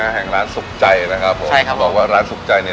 แห่งร้านสุขใจนะครับผมใช่ครับบอกว่าร้านสุขใจเนี่ย